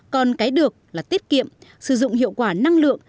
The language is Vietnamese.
còn cái được là tiết kiệm sử dụng hiệu quả năng lượng